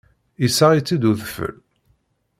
Yessaɣ-itt-id udfel.